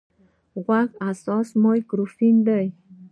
غوږ حساس مایکروفون دی.